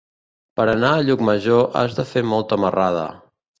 Per anar a Llucmajor has de fer molta marrada.